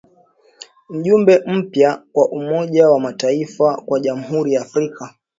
Mjumbe mpya wa Umoja wa mataifa kwa Jamhuri ya Afrika